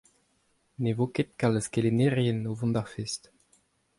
Ne vo ket kalz kelennerien o vont d'ar fest.